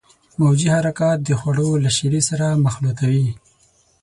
موجي حرکات د خوړو له شیرې سره مخلوطوي.